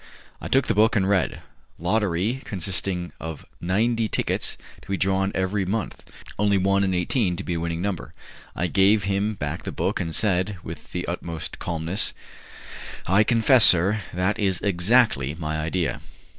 I took the book and read, Lottery consisting of ninety tickets, to be drawn every month, only one in eighteen to be a winning number. I gave him back the book and said, with the utmost calmness, "I confess, sir, that is exactly my idea."